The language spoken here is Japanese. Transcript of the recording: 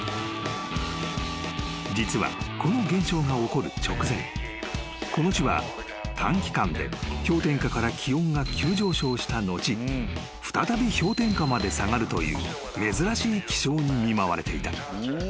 ［実はこの現象が起こる直前この地は短期間で氷点下から気温が急上昇した後再び氷点下まで下がるという珍しい気象に見舞われていた］